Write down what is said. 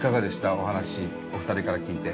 お話お二人から聞いて。